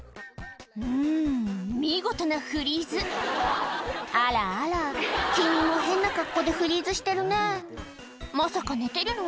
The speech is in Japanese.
うん見事なフリーズあらあら君も変な格好でフリーズしてるねまさか寝てるの？